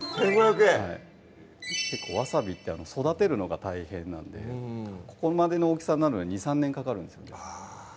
はい結構わさびって育てるのが大変なんでここまでの大きさになるのに２３年かかるんですよね